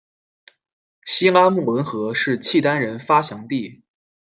西拉木伦河是契丹人发祥地。